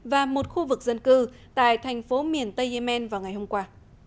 và một khu vực dân cư tại thành phố miền tây yemen vào ngày hôm qua